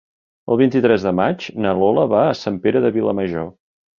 El vint-i-tres de maig na Lola va a Sant Pere de Vilamajor.